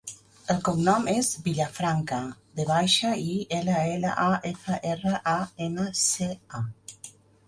El cognom és Villafranca: ve baixa, i, ela, ela, a, efa, erra, a, ena, ce, a.